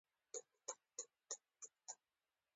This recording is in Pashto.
هغه امر وکړ چې لاړ شه او مړي انتقال کړه